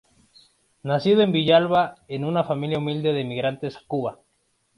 Nacido en Villalba en una familia humilde de emigrantes a Cuba.